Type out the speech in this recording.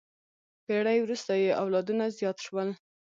پېړۍ وروسته یې اولادونه زیات شول.